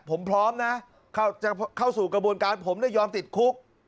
ผมพร้อมนะจะเข้าสู่กระบวนการผมได้ยอมติดคุก